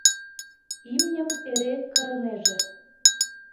Имньым эре кырынеже.